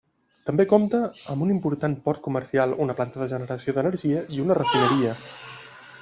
També compta amb un important port comercial, una planta de generació d'energia i una refineria.